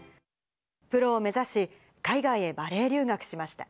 プロを目指し、海外へバレエ留学しました。